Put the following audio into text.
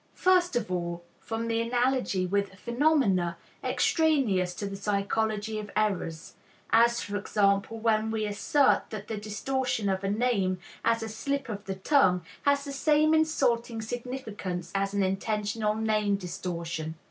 First of all, from the analogy with phenomena extraneous to the psychology of errors; as, for example, when we assert that the distortion of a name as a slip of the tongue has the same insulting significance as an intentional name distortion.